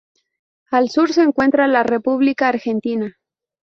Al sur se encuentra la República Argentina.